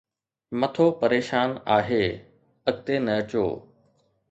مٿو پريشان آهي، اڳتي نه اچو